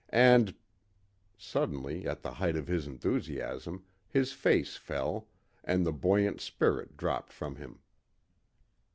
And " Suddenly, at the height of his enthusiasm, his face fell, and the buoyant spirit dropped from him.